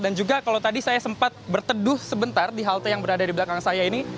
dan juga kalau tadi saya sempat berteduh sebentar di halte yang berada di belakang saya ini